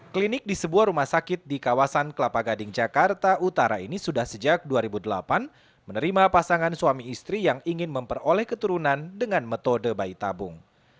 klinik di sebuah rumah sakit di kawasan kelapa gading jakarta utara ini sudah sejak dua ribu delapan menerima pasangan suami istri yang ingin memperoleh keturunan dengan metode bayi tabung